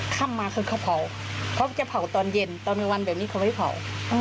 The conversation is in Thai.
ค่ำมาคือเขาเผาเขาจะเผาตอนเย็นตอนกลางวันแบบนี้เขาไม่เผา